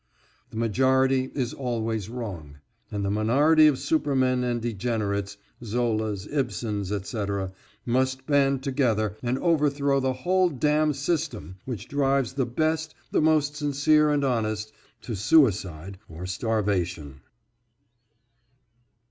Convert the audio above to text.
The majority is always wrong, and the minority of supermen and degenerates Zolas, Ibsens, etc. must band together and overthrow the whole damn system which drives the best, the most sincere and honest to suicide or starvation.